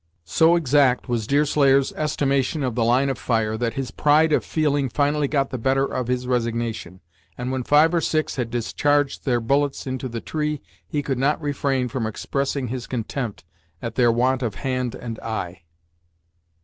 So exact was Deerslayer's estimation of the line of fire, that his pride of feeling finally got the better of his resignation, and when five or six had discharged their bullets into the tree, he could not refrain from expressing his contempt at their want of hand and eye.